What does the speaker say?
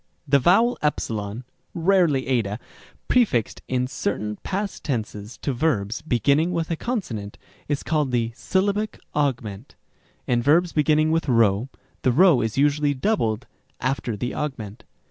The vowel ¢ (rarely ἡ), prefixed in certain past tenses to verbs beginning with a consonant, is called the syllabic augment. In verbs beginning with p, the p is usually doubled after the augment.